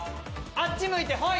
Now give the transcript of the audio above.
あっち向いてホイ。